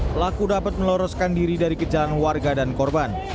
pelaku dapat meloroskan diri dari kejalan warga dan korban